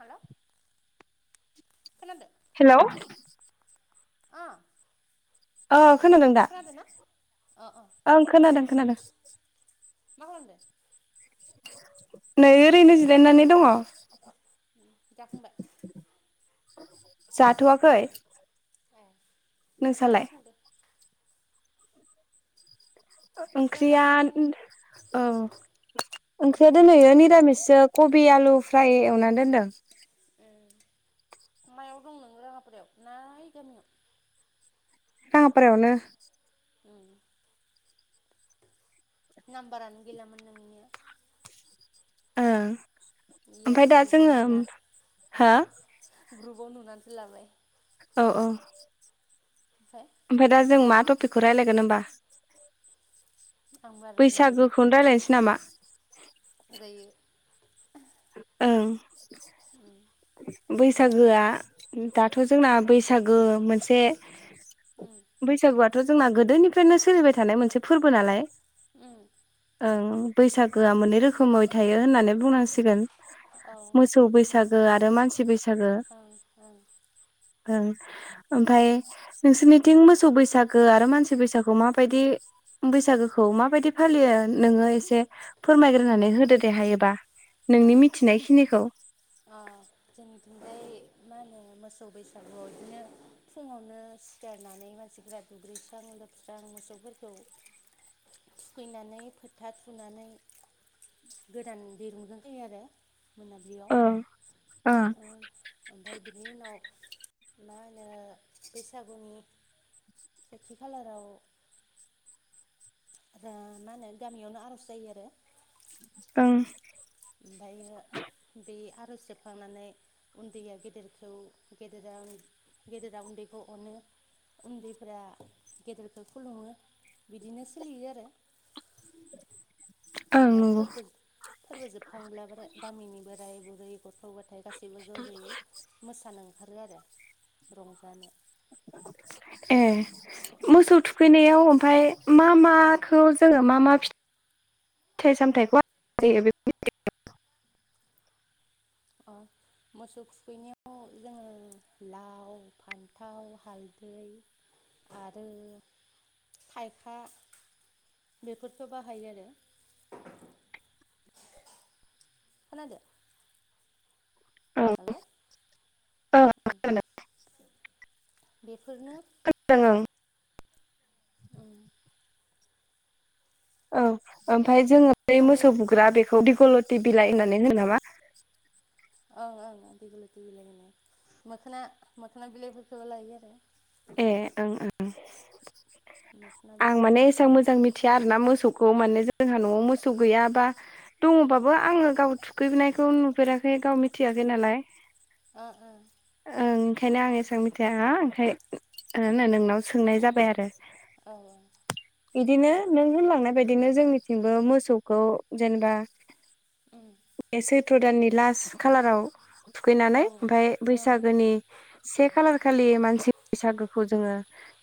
हेल' खोनादों? हेल' अ अ खनादों दा खोनादों ना अ अ ओं खोनादो खोनादों खोनादों मा खालामदों। नै ओरैनो जिरायनानै दङ। जाखांबाय जाथ'वाखै ओ मा ओंख्रि नोंसालाय सोंदों। जोंहा ओंख्रिया जाखांबायानो औ ओंख्रिया दोनहैयो निरामिसो कबि आलु फ्राय एवनानै दोनदों। ओम मायाव दं नों राङाफायाव ना ओम गामियाव। [unintelligible] ओम नाम्बारानो गैलामोन नोंनिया ओ इयाव ओमफ्राय दा जोङो हो ग्रुपआव नुनानैसो लाबाय औ औ ओमफ्राय ओमफ्राय दा जों मा टपिकखौ राय्लायगोन होनोमबा आं बारा रोङानोबा बैसागोखौनो राय्लायनोसै नामा जायो। ओं उम बैसागोआ दाथ' जोंना बैसागो मोनसे उम बैसागुआथ' जोंना गोदोनिफ्रायनो सोलिबाय थानाय मोनसे फोरबो नालाय उम ओं बैसागोआ मोननै रोखोमै थायो होननानै बुंनांसिगोन औ मोसौ बैसागो आरो मानसि बैसागो ओं ओं ओं ओमफाय नोंसोरनिथिं मोसौ बैसागो आरो मानसि बैसागु माबायदि बैसागोखौ माबायदि फालियो नोङो एसे फोरमायग्रोनानै होदो दे हायोबा नोंनि ओं मिथिनायखिनिखौ अ जोंथिनजाय मा होनो मोसौ बैसागुआव बिदिनो फुङावनो सिखारनानै मानसिफा [unintelligible] [unintelligible] दुगैस्रां लोबस्रां मोसौफोरखौ थुखैनानै फोथा थुनानै गोदान दिरुंजों होयो आरो मोनाबिलियाव ओ ओ ओमफखय बिनि उनाव मा होनो बैसागुनि सेथि खालाराव दा [unintelligible] गामियावनो आर'ज जायो आरो ओं ओमफ्रायो बे आर'ज जोबखांनानै उन्दैया गेदेरखौ गेदेरा गेदेरा उन्दैखौ अनो उन्दैफ्रा गेदेरखौ खुलुमो बिदिनो सोलियो आरो ओं आमफाय नंगौ फोरबो फोरबो जोबखांब्ला बो गामिनि बोराय बुरै गथ' ग' नाथाय गासैबो ज' ज'यै मोसानो ओंखारो आरो रंजानो ए मोसौ थुखैनायाव ओमफाय मा माखौ जोङो मा मा फिथाइ सामथायखौ जायो बे अ मोसौ थुखैनायाव जोङो लाव फान्थाव हालदै आरो थाइखा बेफोरफोरखो बाहायो आरो खोनादो ओं हेल' ओं खोनादों बेफोरनो दानां [unintelligible] उम औ ओमफ्राय जोङो बै आरो मोसौ बुग्रा बेखौ दिगलत बिलाइ होननानै दो नामा? ओं ओं आदि गुलथि बिलाइ होन मोखोना मोखोना बिलाइफोरखौबो लायो आरो ए ओं ओं मोखोना आं बिलाइ माने एसबां मोजां मि [unintelligible] खोथिया आरोना मोसौखौ माने जोंहा न'आव मोसौ गैयाबा दङबाबो आङो गाव थुखैनायखौ नुफेराखै गाव मिथियाखै नालाय ओ ओ ओं ओंखायनो आं एसेबां मिथिया ओंखायो नोंनाव सोंनाय जाबाय आरो औ बिदिनो नों होनलांनाय बायदिनो जोंनिथिंबो मोसौखौ जेनोबा उम बे सैथ्र' दाननि लास्ट खालाराव औ थुखैनानै ओं आमफाय ओं बैसागोनि से खालार खालि मानसि बैसागोखौ जोङो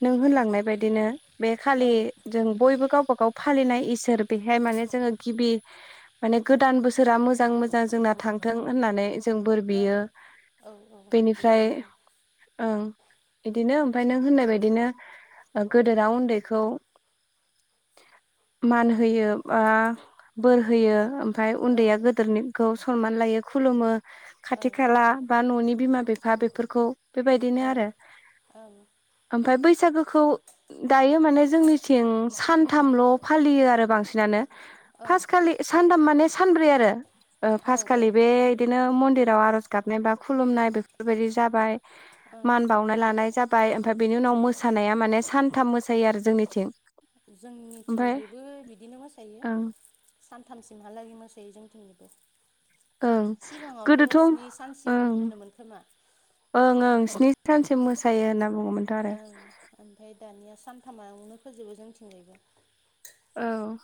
नों ओं होनलांनाय बादिनो बे खालि ओं जों बयबो गावबा गाव फालिनाय इसोर बेहाय माने जोङो गिबि माने गोदान बोसोरा मोजां मोजां जोंना थांथों होननानै जों बोर ओं बियो औ औ बेनिफ्राय बिदिनो ओं बिदिनो ओमफ्राय नों होननाय बादिनो गोदोरा उन्दैखौ [inaudible] मान होयो बा बोर होयो आमफाय ओं उन्दैया गोदोरनि खौ सनमान लायो खुलुमो खाथि ओं खाला बा न'नि बिमा बिफा बेफोरखौ बेबायदिनो आरो ओं ओं आमफाय बैसागोखौ दायो माने जोंनिथिं सानथामल' फालियो आरो बांसिनानो ओं फास खालि सानथाम माने सानब्रै आरो ओ औ फास्तखालि बे बिदिनो मन्दिराव आर'ज गाबनाय बा खुलुमनाय बेफोरबादि जाबाय ओं मान बावनो लानाय जाबाय आमफ्राय बेनि उनाव ओं मोसा मोसानाया माने सानथाम मोसायो आरो जोंनिथिं ओमफ्राय जोंनिथिंजिबो बिदिनो मोसायो ओं सानथामसिमहालागै मोसायो जोंथिंनिबो ओं सिगांआवथ' गोदोथ' ओं स्नि सानसिम होनोमोन‌ खोमा ओं ओं स्नि सानसिम मोसायो होनना बुङोमोन ओं आमफाय दानिआ सानथामावनो फोजोबो जोंथिंजायबो औ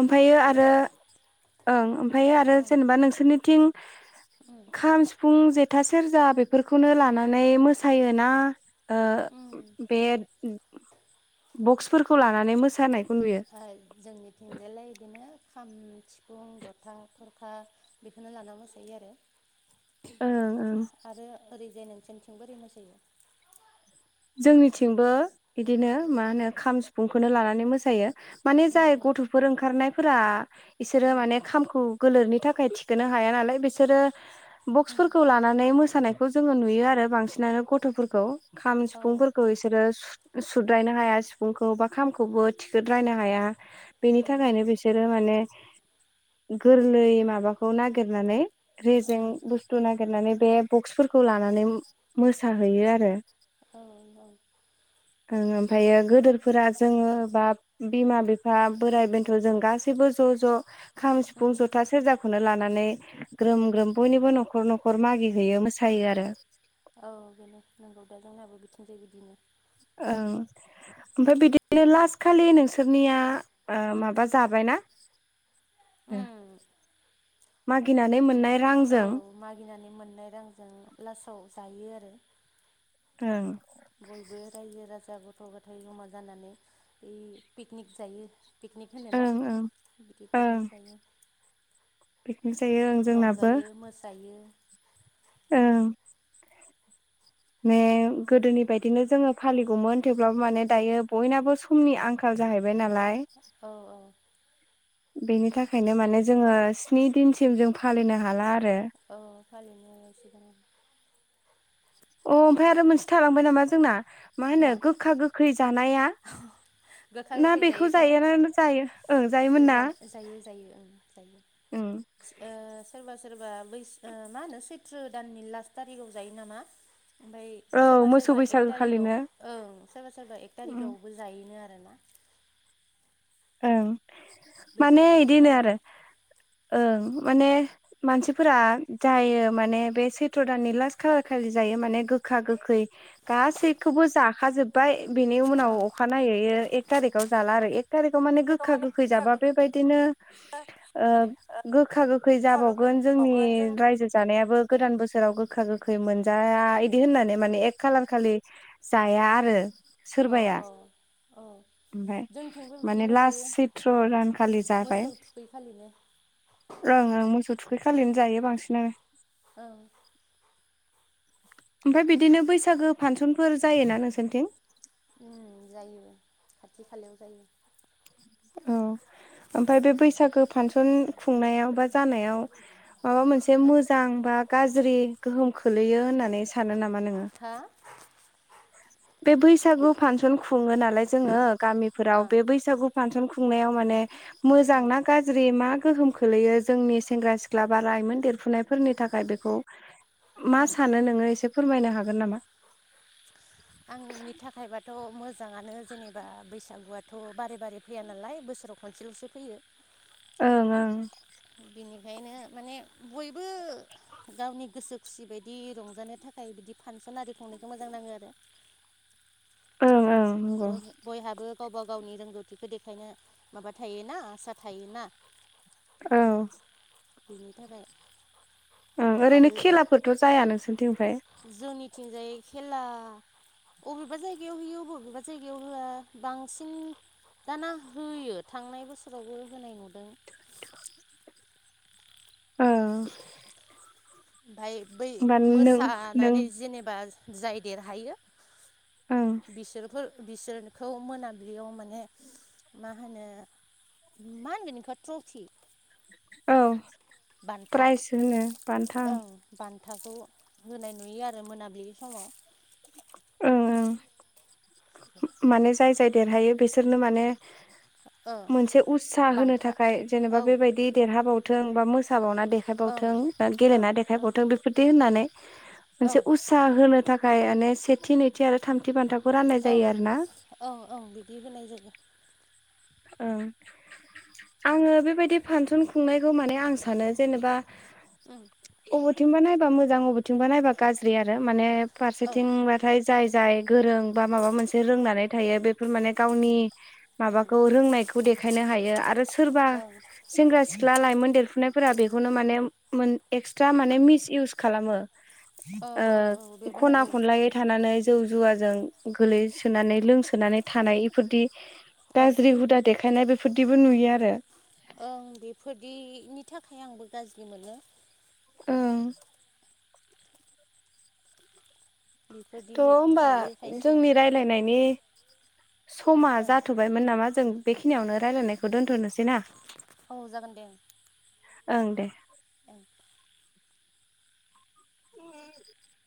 आमफायो हेल' आरो ओं आमफायो आरो ओं जेनोबा नोंसोरनिथिं खाम सिफुं जेथा सेरजा बेफोरखौनो लानानै मोसायोना ओ उम बे बक्सफोरखौ लानानै मोसानायखौ नुयो ओ जोंनिथिंजायलाय इदिनो खाम सिफुं जथा थरखा बेखौनो लाना मोसायो आरो ओं ओं आरो ओरैजाय नोंसोरनिथिंबो ओरै मोसायो? जोंनिथिंबो बिदिनो मा होनो खाम सिफुंखौनो लानानै मोसायो माने जाय गथ'फोर ओंखारनायफोरा इसोरो माने खामखौ गोलोरनि थाखाय थिखोनो हाया नालाय बिसोरो बक्सफोरखौ लानानै मोसानायखौ जोङो नुयो आरो बांसिनानो गथ'फोरखौ खाम औ सिफुंफोरखौ बिसोरो सुद्रायनो हाया सिफुंखौ बा खामखौबो थिखोद्रायनो हाया। बेनि उम थाखायनो बिसोरो माने गोरलै माबाखौ नागिरनानै औ रेजें बुस्थु नागिरनानै बे बक्सफोरखौ लानानै मोसाहैयो आरो औ औ ओं ओमफायो गोदोरफोरा जोङो बा बिमा बिफा बोराइ बेन्थ' जों गासैबो ज' ज' खाम सिफुं जथा सेरजाखौनो लानानै ग्रोम ग्रोम बयनिबो न'खर न'खर मागि हैैयो मोसायो आरो औ बेनो नंगौ दा जोंनाबो बिथिं जाय बिदिनो ओं आमफाय बिदिनो लास्ट खालि नोंसोरनिआ ओ उम माबा जाबायना ओ उम मागिनानै मोननाय औ रांजों मागिनानै मोननाय रांजों लासाव जायो आरो ओं बयबो रायजो राजा गथ' गथाय जमा जानानै इ पिकनिक जायो। पिकनिक होनोना ओं ओं बिदि ओं पिकनिक जायो। पिकनिक जायो ओं जोंनाबो रंजायो मोसायो। ओं मे गोदोनि बायदिनो जोङो फालिगौमोन थेवब्लाबो माने दायो बयनाबो फुंनि आंखाल जाहैबाय नालाय औ औ बेनि थाखायनो माने जोङो स्नि दिनसिम जों फालिनो हाला आरो। औ फलिनो सिगोन ओ अ ओमफ्राय आरो मोनसे थालांबाय नामा जोंना मा होनो गोखा गोखै जानाया। गोखा ना गोखै बेखौ जायोथ' जायाना जायो ओं जायोमोन ना जानाय जायो जायो ओं जायो ओं ओ सोरबा सोरबा बैसो मा होनो सैथ्र' दाननि लास्ट थारिखाव जायो नामा ओमफ्राय औ सोरबा मोसौ सोरबा एक बैसागो थारिगाव खालिनो ओं सोरबा सोरबा एक उम थारिगआवबो जायोनो आरोना। ओं माने बैसागोनि से इदिनो आरो खालाराव ओं माने मानसिफोरा जायो माने बे सैथ्र दाननि लास्ट खालार खालि जायो माने गोखा गोखै गासैखौबो जाखाजोबबाय बेनि उनाव ओं अखानायैयो एक थारिखाव जाला आरो एक थारिखआव माने गोखा गोखै जाबा बेबायदिनो ओ गोखा गोखै गोखा गोखै जाबावगोन जोंनि संगोन जों रायजो जानायाबो गोदान बोसोराव गोखा गोखै मोनजाया बिदि होननानै माने एक खालार खालि जाया आरो औ सोरबाया औ औ ओमफ्राय जोंथिंबो माने बिदिनो लास्ट जायो सैथ्र' रानखालि जाबाय। मोसौ थुखै खालिनो ओं ओं मोसौ थुखै खालिनो जायो बांसिनानो। औ ओमफ्राय बिदिनो बैसागो फानसनफोर जायोना नोंसोरथिं? उम जायो खाथि खालायाव जायो। औ ओमफ्राय बे बैसागो फांसन खुंनायाव जानायाव माबा मोनसे हा मोजां बा गाज्रि गोहोम खोलैयो होननानै सानो नामा नोङो? थो बे बैसागु फांसन खुङो नालाय जोङो ओ गामिफोराव बे बैसागु फांसन खुंनायाव माने उम मोजांना गा गाज्रि मा गोहोम खोलैयो जोंनि सेंग्रा सिख्ला बा लाइमोन देरफुनायफोरनि थाखाय बेखौ औ मा सानो नोङो एसे फोरमायनो हागोन नामा? आंनि थाखायबाथ' मोजाङानो जेनेबा बैसागुआथ' बारे बारे फैया नालाय बोसोराव खनसेल'सो फैयो। ओं ओं। बिनिफ्रायनो माने बयबो गावनि गोसो खुसि बायदि रंजानो थाखाय बिदि फांसन आरि खंनायखौ मोजां नाङो आरो। औ। बय-बयहाबो गावबा गावनि रोंगौथिखौ देखायनो माबा थायोना आसा थायोना। औ बिनो थाखाय ओं आरो ओरैनो खेलाफोरथ' जाया नोंसोरनिथिं ओमफ्राय जोंनिथिंजाय खेला अबेबा जायगायाव होयो अबेबा जायगायाव होआ बांसिन दाना होयो थांनाय बोसोरावबो होनाय नुदों [inaudible] औ। ओमफाय बै होमबा नों नों मोसानानै जेनेबा जाय देरहायो ओं बिसोरफोर बिसोरखौ मोनाबिलियाव माने मा होनो मा होनदों नोंखौ ट्रफि? औ बान्था प्राइज होनो बान्था। ओं बान्थाखौ होनाय नुयो आरो मोनाबिलि समाव ओंओं माने जाय जाय देरहायो बिसोरनो माने ओ मोनसे उतसााह होनो बान्था थाखाय जेनेबा औ बेबायदि देरहाबावथों बा मो मोसाबावना ओं देखायबावथों ओं गेलेना ओं देखायबावथों बेफोरदि होननानै मोनसे ओं उसा होनो थाखाय माने सेथि नैथि आरो थामथि बान्थाखौ राननाय जायो औ आरो ना। औ औं बिदि होनाय जायो। औ। आङो बेबायदि फानसन खुंनायखौ माने आं सानो जेनेबा ओं। बबेथिंबा नायबा मोजां अबेथिंबा नायबा गाज्रि आरो माने ओ फारसेथिं थाय जाय जाय गोरों बा माबा मोनसे रोंनानै थायो बेफोर माने गावनि उम माबाखौ रोंनायखौ देखायनो हायो आरो सोरबा ओं सेंग्रा सिख्ला लाइमोन देरफुनायफोरा बेखौनो माने एक्सट्रा माने मिस इउस खालामो। औ औ औ ओं बेबो खना नांगौ खनलायै थानानै जौ जुवाजों गोलैसोनानै लोंसोनानै थानाय इफोरदि ओं गाज्रि हुदा देखायनाय बेफोरदिबो नुयो आरो। ओं बेफोरदिनि थाखाय आंबो गाज्रि मोनो। ओं। बेफोरदि थ' होनबा थायो खायसे जोंनि रायलायनायनि समा ओ जाथ'बायमोन नामा जों बेखिनियावनो रायजलायनायखौ दोन्थ'नो सै ना? औ जागोन ओं दे। औ। [inaudible]